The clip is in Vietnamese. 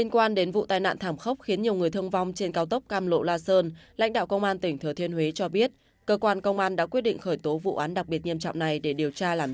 các bạn hãy đăng ký kênh để ủng hộ kênh của chúng mình nhé